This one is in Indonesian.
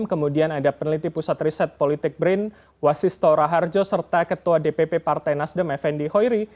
kemudian ada peneliti pusat riset politik brin wasistora harjo serta ketua dpp partai nasdem fnd hoiri